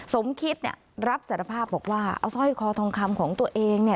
สมคิดเนี่ยรับสารภาพบอกว่าเอาสร้อยคอทองคำของตัวเองเนี่ย